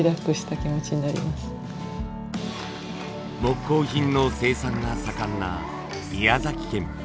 木工品の生産が盛んな宮崎県。